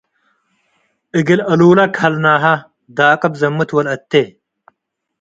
እግል አሉለ ከሀልናሃ - ዳቅብ ዘምት ወለአቴ